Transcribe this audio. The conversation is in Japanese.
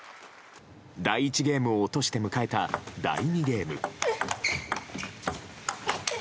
第１ゲームを落として迎えた第２ゲーム。